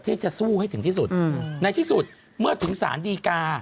จะสู้ให้ถึงที่สุดในที่สุดเมื่อถึงสารดีกา